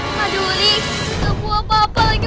maduli aku apa apa lagi